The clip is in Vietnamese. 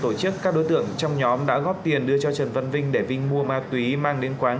tổ chức các đối tượng trong nhóm đã góp tiền đưa cho trần văn vinh để vinh mua ma túy mang đến quán